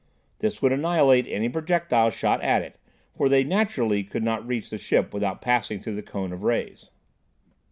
This would annihilate any projectile shot at it, for they naturally could not reach the ship without passing through the cone of rays.